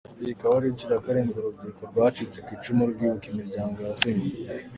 Iyi ikaba ari inshuro ya karindwi uru rubyiruko rwacitse ku icumu rwibuka imiryango yazimye.